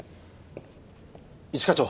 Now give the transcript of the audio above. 一課長。